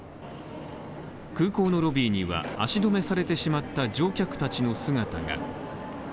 空港のロビーには、足止めされてしまった乗客たちの姿が。